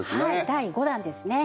第５弾ですね